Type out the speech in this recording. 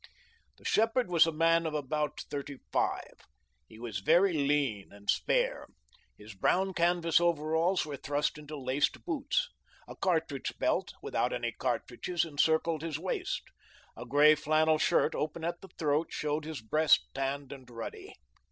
The shepherd was a man of about thirty five. He was very lean and spare. His brown canvas overalls were thrust into laced boots. A cartridge belt without any cartridges encircled his waist. A grey flannel shirt, open at the throat, showed his breast, tanned and ruddy.